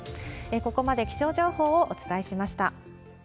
ここまで気象情報をお伝えしました。